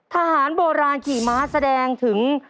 ทหารโบราณขี่ม้าแสดงถึง